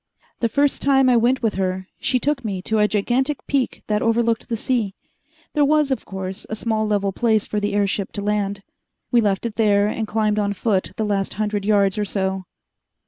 The first time I went with her, she took me to a gigantic peak that overlooked the sea. There was, of course, a small level place for the airship to land. We left it there, and climbed on foot the last hundred yards or so.